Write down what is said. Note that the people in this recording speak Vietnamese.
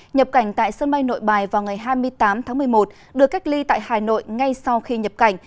nhập cảnh tại sân bay nội bài vào ngày hai mươi tám tháng một mươi một được cách ly tại hà nội ngay sau khi nhập cảnh